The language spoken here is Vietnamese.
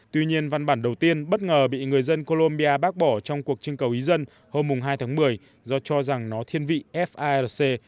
tuy nhiên văn bản đầu tiên bất ngờ bị người dân colombia bác bỏ trong cuộc trưng cầu ý dân hôm hai tháng một mươi do cho rằng nó thiên vị farc